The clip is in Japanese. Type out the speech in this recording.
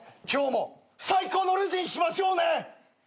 今日も最高のレジにしましょうね！